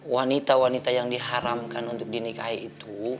wanita wanita yang diharamkan untuk dinikahi itu